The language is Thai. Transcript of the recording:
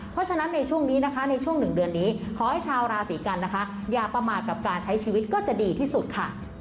เพราะฉะนั้นในช่วงนี้นะคะในช่วงหนึ่งเดือนนี้ขอให้ชาวราศีกันนะคะอย่าประมาทกับการใช้ชีวิตก็จะดีที่สุดค่ะ